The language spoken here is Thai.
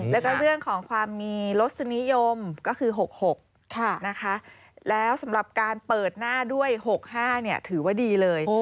แล้วก็เรื่องของความมีรสนิยมก็คือ๖๖นะคะแล้วสำหรับการเปิดหน้าด้วย๖๕ถือว่าดีเลย